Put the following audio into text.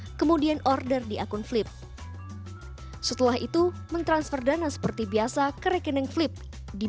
kemudian order di akun flip setelah itu mentransfer dana seperti biasa ke rekening flip di